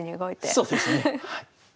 そうですねはい。